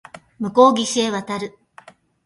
向こう岸へ渡る